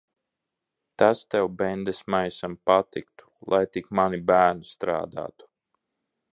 Tas tev, bendesmaisam, patiktu. Lai tik mani bērni strādātu.